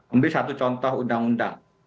ambil satu contoh undang undang